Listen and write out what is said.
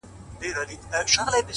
قاتل ژوندی دی- مړ یې وجدان دی-